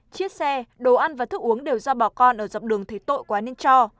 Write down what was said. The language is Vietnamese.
chiếc xe đồ ăn và thức uống đều do bà con ở dọc đường thấy tội quá nên cho